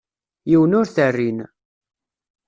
Yiwen ur t-rrin.